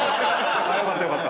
よかったよかった。